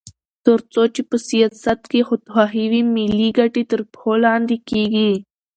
تر څو چې په سیاست کې خودخواهي وي، ملي ګټې تر پښو لاندې کېږي.